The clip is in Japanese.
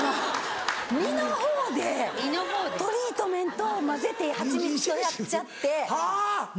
実の方でトリートメントを混ぜて蜂蜜とやっちゃって。